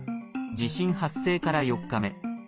地震発生から４日目。